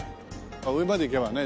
上まで行けばね